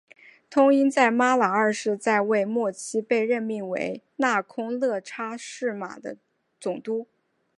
通因在拉玛二世在位末期被任命为那空叻差是玛的总督。